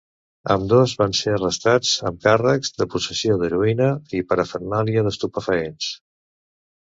Ambdós van ser arrestats amb càrrecs de possessió d'heroïna i parafernàlia d'estupefaents.